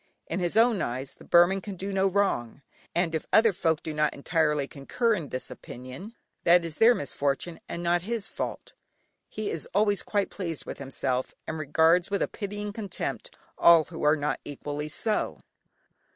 In his own eyes the Burman can do no wrong, and if other folk do not entirely concur in this opinion, that is their misfortune and not his fault. He is always quite pleased with himself, and regards with a pitying contempt all who are not equally so.